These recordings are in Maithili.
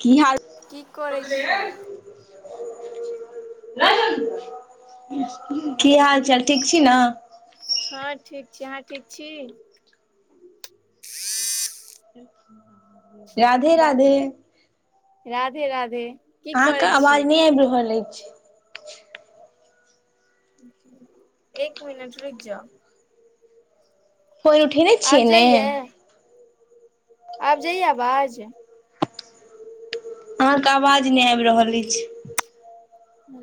की हाल? की करै छी। की हाल चाल ठीक छी न। हँ ठीक छी अहाँ ठीक छी। राधे वाह राधे। राधे राधे। की अहाँके करै छी आवाज नहि आबि रहल अइछ। एक मिनट रूक जाउ। कोल उठेने आब छियै ने। जाइये आब जइया अबाज। अहाँके आवाज नहि आबि रहल अइछ।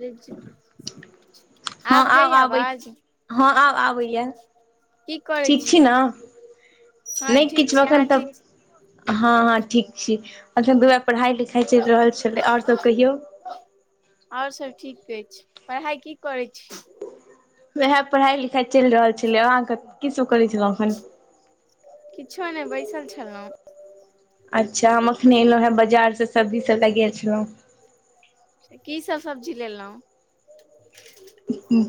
रूक जाउ। हँ आब जाइ या आबै आवाज हँ आब आबैया की करै छी। हँ नई ठीक किछो छी एखन अहाँ तऽ। ठीक छी हँ हँ ठीक छी एखन दू पढ़ाई लिखाई चलि रहल छलै ओर सब कहियौ। और सब ठीक अइछ पढ़ाई की करै छी। उएह पढ़ाई लिखाई चलि रहल छलै अहाँके। की सब करे छलो अखन। किछो नहि बैसल छलहुँ अच्छा हम अखन एलहुँ हें बाजार से सब्जी सब ले गेल छलहुँ। की सब सब्जी लेलहुँ।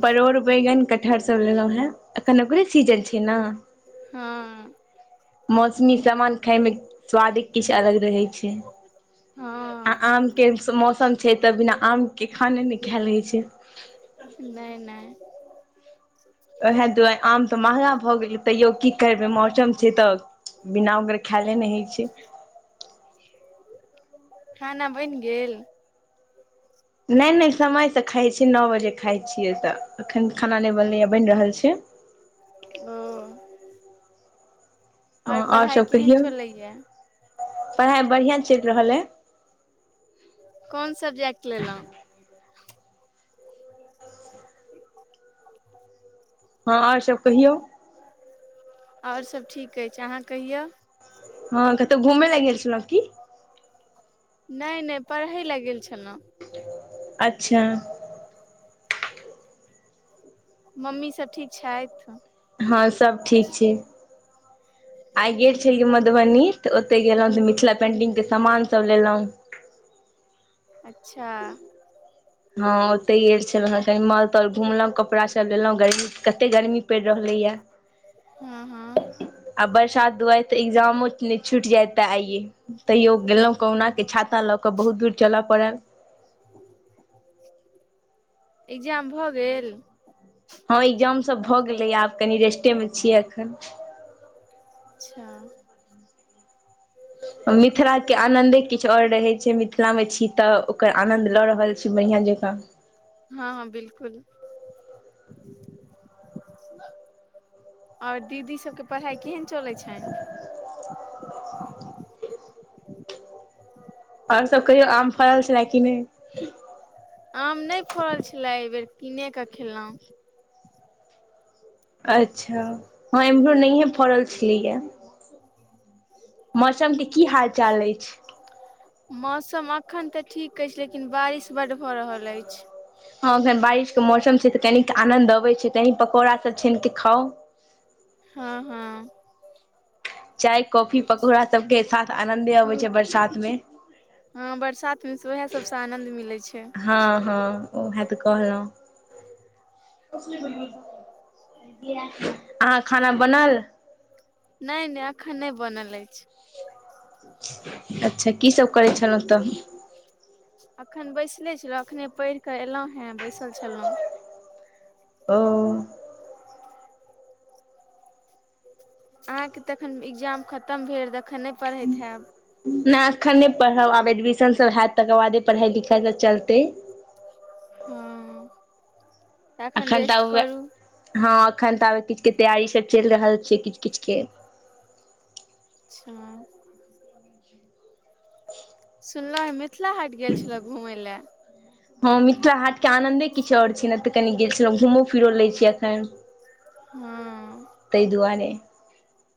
परोड़ बैगन कटहर सब लेलहुँ हें एखन ओेकरे सीजन छै ने। हँ। मौसमी सामान खाय मे स्वादे किछ अलग रहे छै आ हँ आम। के मौसम छै तऽ बिना आमके खाने नहि खायएल होय छै। नई नई। उएह दुआरे आम तऽ महगा भऽ गेलै तैयो की करबै मौसम छै तऽ। बिना आम्र खायइले नहि होइ छै। खाना बैन गेल। नहि नहि समयसँ खाइ छियै नौ बजे खाइ छियै त एखन खाना नहि बनैए बनि रहल छै। ओ ओर हँ आओर पढ़ाई सभ केहन कहियौ चलैया। पढ़ाइ बढ़ियाँ चल रहल अय। कोन सबजेक्ट लेलहुँ। हँ ओर सब कहियौ। ओर सब ठीक अइछ अहाँ कहियौ। हँ कतो घुमै लै गेल छलो की। नहि नहि पढ़य लै गेल छलहुँ। अच्छा। मम्मी सब ठीक छैथ।। हँ सब ठीक छै। आइ गेल छलौ मधुबनी त ओते गेलहुं ते मिथिला पेंटिंग के सामान सब लेंलौं। अच्छा। [inaudible] हँ ओते गेल छलहुँ हेँ कनि मलतल घुमलोहुँ कपड़ा सब लेलहुँ गर्मी कते गर्मी पड़ि रहलैए। हँ हँ। आ बरसात दुरे त एग्जामो नई छूट जैत त आइये। तइयो गेलहुँ कहुना के छाता लऽक बहुत दूर चलऽ पड़ल। [inaudible] इक्जाम भ गेल? हँ इक्जाम सब भ गेलै, आब कनी रेस्टे मे छियै अखन। अच्छा। मिथिला के आनंदे किछु आओर रहै छै, मिथिला मे छी त ओकर आनंद ल रहल छी बढ़ियाँ जकाँ? हँ-हँ बिलकुल अओर दीदी सबके पढ़ाई केहेन चलै छनि? आओर सब कहियौ, आम फरल छला कि नै? आम नै फरल छला अइबेर किनेक खेलौं। अच्छा, हँ एम्हरो नहिये फरल छ्लैया। मौसम के की हाल चाल अछि? [inaudible] मौसम अखन त ठीक अछि लेकिन बारिश बड्ड भ रहल अछि। हँ एखन बारिश के मौसम छै त कनिक आनंद अबै छै, कनी पकौड़ा त छानिक खाउ। हँ-हँ। चाय कॉफी पकौड़ा सबके साथ आनन्दे अबै छै बरसात मे। हँ बरसातमे त वैह सबसं आनंद मिलै छै। हँ-हँ उहे त कहलौं। [unintelligible] अहाँक खाना बना ल नै नै अखन नै बनल अछि। अच्छा की सब करै छलौं त? अखन बैसले छलौं, अखने पढ़िक एलौं हेँ बैसल छलौं। ओ अहाँके त अखन इक्जाम खत्तम भेल त अखन नै पढ़ैत हैब? ना एखन नै पढ़ब, आब एडमिशन सब हैत तकर बादे पढ़ाई लिखाइ सब चलतै। हँ। तखन अखन त रेस्ट आब वैह, करू [inaudible] हँ अखन ताबे किछ किछ तैयारी सब चलि रहल छै किछ किछ के। अच्छा। [inaudible] सुनलौं हें मिथिला हाट गेल छलौं घुमै ले। हँ मिथिला हाट के आनन्दे किछु आओर छै न त कनी गेल छलौं, घूमो फिर लै छी अखन। [inaudible] हँ। तै दुआरे।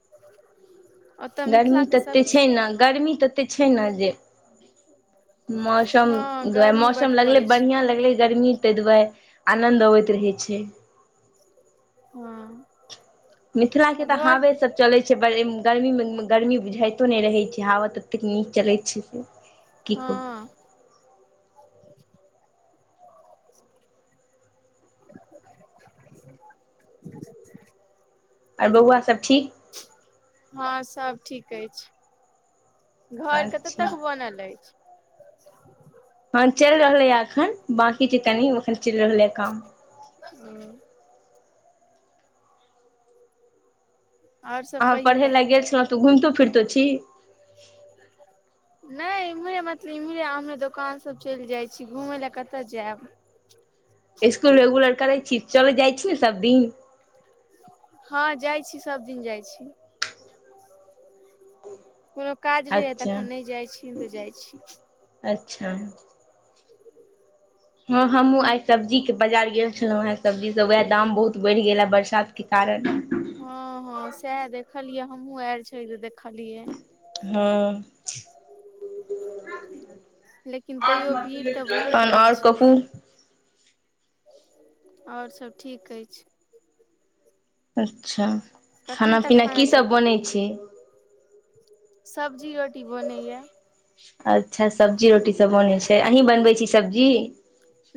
[inaudible] गर्मी तते छै सभकिछु न, ने गर्मी तते छै न जे मौसम हँ दुआरे, गर्मी बड्ड मौसम लगलै पड़ैत छै बढ़ियां लगलै गर्मी तै दुआरे आनन्द अबैत रहै छै। हँ। मिथिला के त घर हाबे सब चलै [unintelligible] गर्मी मे गर्मी बुझाइतो नै रहै छै, हाबा ततेक नीक चलैत छै से। की [inaudible] कहू हँ। [unintelligible] [unintelligible] ह आओर बौआ सब ठीक? [inaudible] हँ सब ठीक अछि। घर कते तक अच्छा बनल अछि? [inaudible] हँ चलि रहले ह अखन बांकी छै कनी, अखन चलि रहलै ह काम। हूं। सभ अहाँ कहियौ पढ़े ल तखन गेल छलहुँ तऽ घुमतो फिरतो छी। नहि इम्हरे मतलब इम्हरे अम्हरे दोकान सब चलि जाइ छी, घुमय लए कतय जायब। इसकु रेगुलर करै छी, चल जाइ छी ने सबदिन। हँ जाइ छी, सबदिन जाइ छी। कोनो काज रहैए तऽ अच्छा एखन नहि जाइत छी, नै जाइत छी। अच्छा! हँ हमहुँ आइ सब्जीक के बाजार गेल छलहुँ हेँ, सब्जी से उएह दाम बहुत बढ़ि गेल हे बरसात के कारण। हँ- हँ सएह देखलियै हमूँ आयल छलियै तऽ देखलियै। हँ। लेकिन तैयो भीड़ तऽ बहुत तहन रहै आओर छै कहू। आओर सभ ठीक अछि। अच्छा कखन खाना- तक पीना की चाही सब बनै छै। सब्जी रोटी बनैया। अच्छा सब्जी रोटीसभ बनैत छै, अहींँ बनबैत छी सब्जी?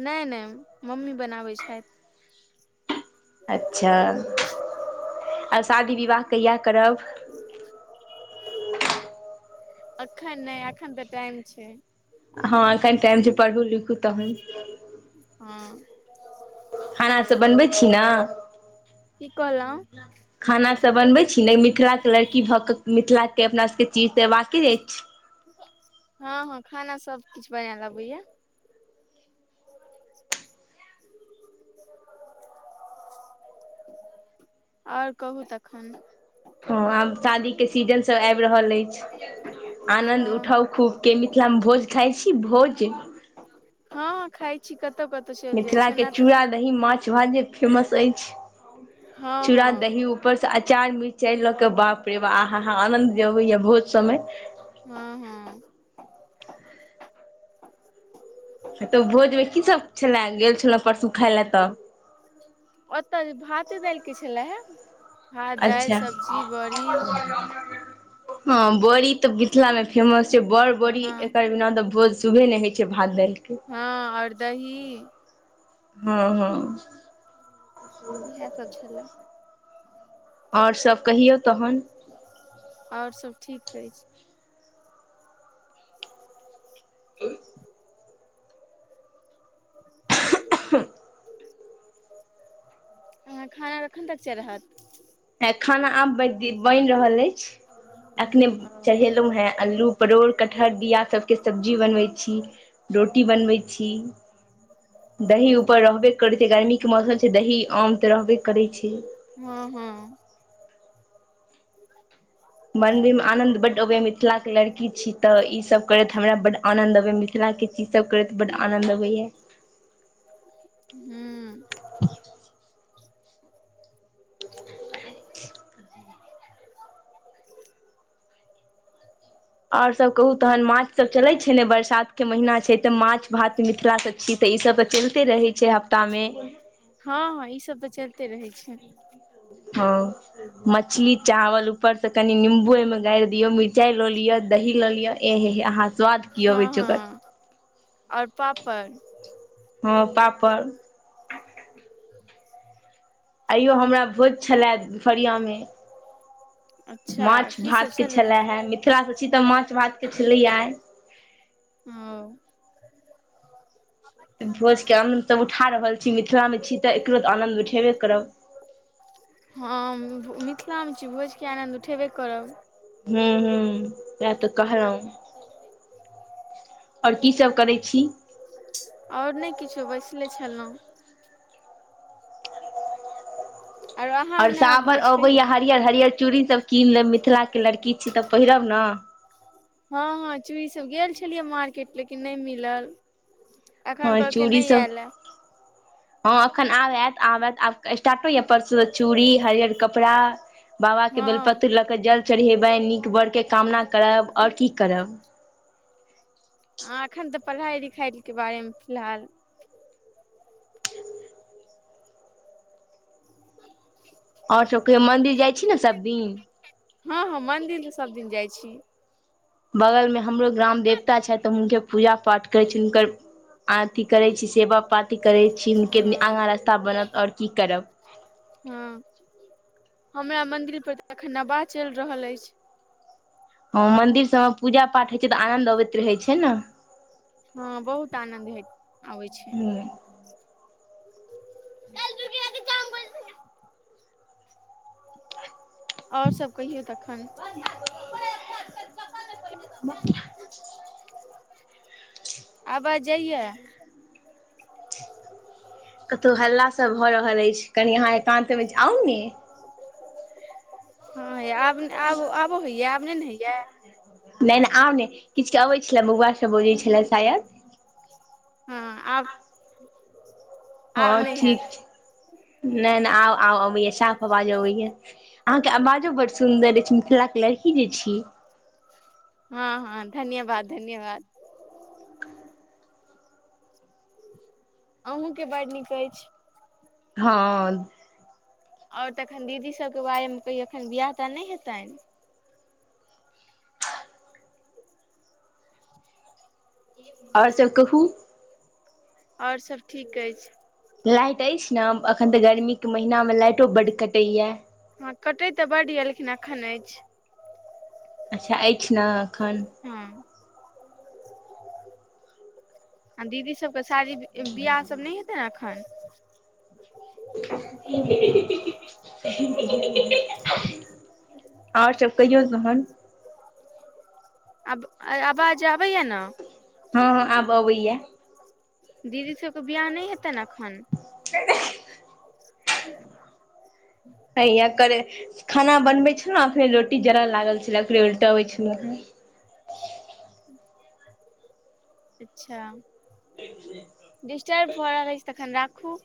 नहि -नहि मम्मी बनाबैत छैथ। अच्छा आ शादी विवाह कहिया करब? एखन नहि एखन तऽ टाइम छै। हँ एखन टाइम जे पढ़बू- लिखू तखन। हँ। खाना सब बनबै छी ने। की कहलहुँ खाना सब बनबै छी ने मिथिला लड़की भऽ के मिथिला के अपना सबके चीज तऽ एबाके अछि। हँ- हँ खाना सब किछु बनायल अबैया। [inaudible] आओर कहू तखन। हँ आब शादी के सीजन सब आबि रहल अछि, आंनद हँ उठाउ खूब। के मिथिला मे भोज खाइ छी भोज। हँ खाइ छी कतो- कतो। मिथिला के चूड़ा दही माछ भात जे फेमस अइछ, हँ चूड़ा- हँ दही। ऊपर से अचार मिरचाइ लऽ के, बाप रे बा आ- अहा आनंद जे अबैया भोज सब में हँ- हँ। तऽ भोजमे की सभ छलए, गेल छलहुँ परसू खााय लए तऽ। ओतऽ भाते दालिके छलए हे, भात -दालि अच्छा सब्जी बड़ी। हँ बड़ी तऽ मिथिला मे फेमस छै, बड़- बड़ी हँ एकर बिना तऽ भोज शुभे नहि होइत छै भात- दालिके। हँ आओर दही। हं-हं। इएह सब छलै। आओर सभ कहियौ तहन। आओर सभ ठीक अइछ। [unintelligible] अहां के खाना कखन तक चड़हत? खाना आब बनि रहल अइछ, अखने ओ चढ़ेलहु हां अल्लू परोड़ कटहर बिआ सबके सब्जी बनबै छी रोटी बनबै छी। दही हँ उपर रहबे करै गर्मीे के मौसम छैं दही आम त रहबे करै छैय। हॅं हॅं। मंन्दिर में आनंद बड अबैया मिथिला के लड़की छी त ई सभ करैत हमरा बड आनंद अबैया मिथिला के। ई सभ करैत बड आनन्द अबैया। हम्म [unintelligible] [unintelligible] और सब कहू तहन माछ सब चले छैय ने बरसात के महीना छैं त माछ भात मिथिला के छी त ई सभ त चलिते रहैय छैय हफ्ता में। हाॅं हाँ ई सब त चलिते रहैय छैय। हाॅं मछली चावल ऊपर से कनि निम्बू ऐमें गारी दियो। मिरचाइ ल लिय दही ल लिय एहे हे अहाँ स्वाद। की हँ अबै छै ओकर हँ और पापड़। हँ पापड़। आइयो हमरा भोज छल। दुपहरिया में अच्छा माछ की सब भात के छलए छला हा मीत मिथिला छी त माछ भाँत के छलैय आइ। हाँ त भोज के आनन्द उठा रहल छी। मिथिला में छी त एकरो त आनन्द उठेबे करब। हम मिथिला में छी भोज के आनन्द उठेबे करब। हम्म हम्म सेहै त कहलौं। और की सभ करैय छी। और नैय किछो बैसले छलहुँ। आर अहाँ और अंगना साबन भोज कहिया अबैया हरियर हरियर चूड़ी सब कीन लेब मिथिला के लड़की छी त पहिरब ना। हाॅं हाॅं चूड़ी सभ गेल छलियै मार्केट लेकिन नैय मिलल। एखन ह कहलकै चूड़ी नहि सब आयल ए हँ अखन आब आत आब आत स्टार्ट ऐ। परसु से चूड़ी हरियर कपड़ा बाबा के हँ बेलपत्र लक। जल चढ़ेबैन नीक बड़ के कामना करब और की करब। आ एखन त पढ़ाई लिखाई के बारे में फिलहाल। [unintelligible] और सब कहियौ मंदिर जाइ छी ने सभ दिन। हँ हँ मन्दिर त सबदिन जाइ छी। बगल में हमरो ग्राम देवता छैथ हुनके पूजा पाठ करै छथि हुनकर आरती करैत छी सेवा पाती करैत छी हुनके हँ आगा रस्ता बनत और की करब। हॅं हमरा मंदिर पर त एखन नवाह चलि रहल अछि। हँ मंन्दिर सब में पूजा पाठ होइत छै त आनन्द अबैत रहैत छै न। हँ बहुत आनन्द हे आबैय छै। ह और सभ कहियौ ताखाइन [unintelligible] [unintelligible] आबाज जइय। कतहु हल्ला सब भ रहल अछि कनि अहाँ एकान्त में जाउ ने। [unintelligible] हँ ये आब आब आबो होइया आब नै ने होइया। नैय नैय आब नैं किछ के अबै छेल बौआ सब बजैत छेल शायद। हम्म आब [unintelligible] हँ ठीक हैत छै, नैय- नैय आ अबैया, साफ आवाज अबैया। अहाँ के आवाजो बड सुन्दर अछि, मिथिला के लड़की जे छी। हँ -हँ, धन्यवाद! धन्यवाद! अहुँके बड़ नीक ऐछ। हँ। आओर तखन दीदी सबके बारेमे कहियौ, एखन बिआह तऽ नहि हेतनि। आओर सब कहू? आओर सब ठीक अछि। लाइट अछि ने, अखन तऽ गर्मीके महिनामे लाइटो बड्ड कटैया। हँ, कटैत तऽ बड्ड यए, लेकिन एखन अछि। अच्छा! अछि ने एखन। हँ, आ दीदी सब पसादी बियाह सब नहि हेतैन एखन? ह [inaudible] ह [inaudible] [inaudible] आओर सब कहियौ तहन--तहन। [inaudible] आब आबाज आबैया ने। हँ- हँ, आब अबैया। दीदी सबके बियाह नहि हेतन अखन? ह [inaudible] हइया करे खाना बनबै छलहुँ, फे रोटी जरऽ लागल छलै, ओेकरे उलटबै छलहुँ। अच्छा! डिस्टर्ब भ रहै छै, तखन राखू।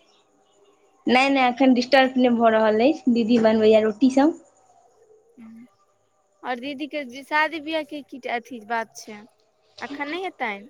नहि -नहि अखन डिस्टर्ब नहि भऽ रहल अछि, दीदी बनबैया रोटीसभ। ह। आओर दीदीे शादी बिआाह के की अथी बात छैन, अखन नहि हेतनि।